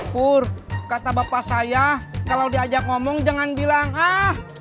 pur kata bapak saya kalau diajak ngomong jangan bilang ah